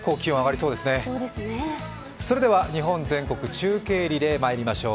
それでは日本全国中継リレーにまいりましょう。